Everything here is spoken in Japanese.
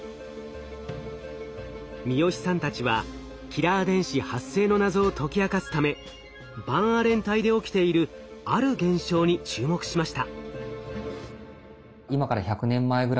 三好さんたちはキラー電子発生の謎を解き明かすためバンアレン帯で起きているある現象に注目しました。